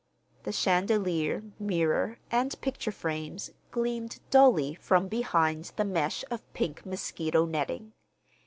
The chandelier, mirror, and picture frames gleamed dully from behind the mesh of pink mosquito netting.